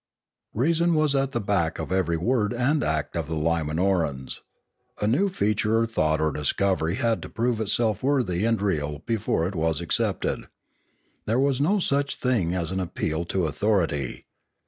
Reason was at the back of every word and act of the Limanorans; a new feature or thought or discovery had to prove itself worthy and real before it was ac cepted. There was no such thing as an appeal to authority.